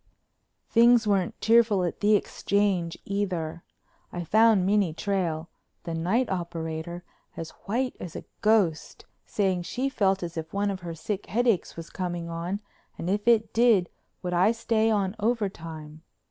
Things weren't cheerful at the Exchange either. I found Minnie Trail, the night operator, as white as a ghost, saying she felt as if one of her sick headaches was coming on and if it did would I stay on over time?